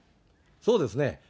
そうですね。